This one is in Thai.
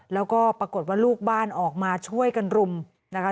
แล้วก็ปรากฏว่าลูกบ้านออกมาช่วยกันรุมนะคะ